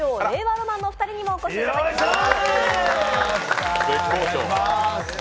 ロマンのお二人にもお越しいただきました。